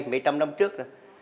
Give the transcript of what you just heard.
mấy trăm năm trước